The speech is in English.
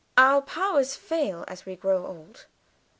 Our powers fail as we grow old."